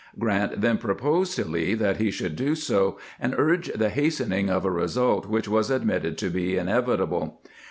Grant then proposed to Lee that he should do so, and urge the hastening of a result which was admitted to be inevitable.